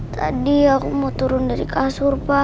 tadi aku mau turun dari kasur pak